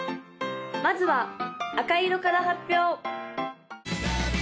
・まずは赤色から発表！